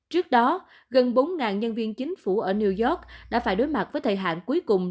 trước đó gần bốn nhân viên chính phủ ở new york đã phải đối mặt với thời hạn cuối cùng